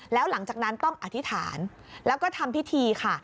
แล้วหลังจากนั้นต้องอธิษฐานแล้วก็ทำพิธีค่ะ